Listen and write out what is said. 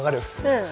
うん。